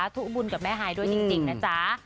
ทุกบุญกับแม่ฮายด้วยจริงนะจ๊ะ